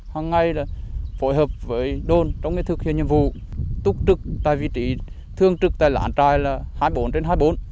hằng ngày phối hợp với đồn trong thực hiện nhiệm vụ túc trực tại vị trí thương trực tại lãn trai là hai mươi bốn trên hai mươi bốn